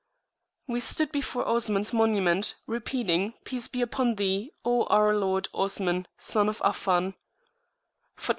We stood before Osmans monument, repeating, Peace be upon Thee, O our Lord Osman, Son of Affan!